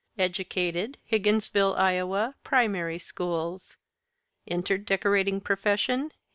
Educated Higginsville, Ia., primary schools. Entered decorating profession, 1888.